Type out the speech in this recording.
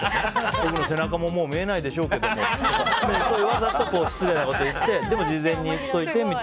僕の背中も見えないでしょうけどもってわざと失礼なことを言ってでも、事前に言っておいて。